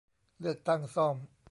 เลือกตั้งซ่อม